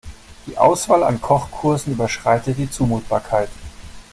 Die Auswahl an Kochkursen überschreitet die Zumutbarkeit.